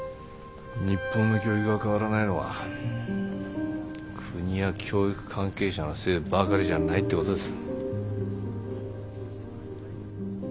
日本の教育が変わらないのは国や教育関係者のせいばかりじゃないってことです。